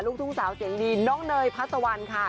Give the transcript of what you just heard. ลูกทุ่งสาวเสียงดีน้องเนยพัสวันค่ะ